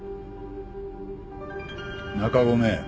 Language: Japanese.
中込